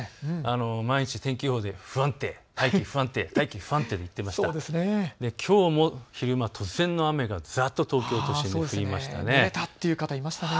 毎日、天気予報で不安定、大気不安定と言っていますがきょうも昼間、突然の雨がざっと東京都心、降りましたね。